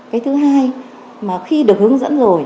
cái thứ hai mà khi được hướng dẫn rồi